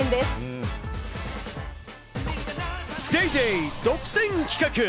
『ＤａｙＤａｙ．』独占企画。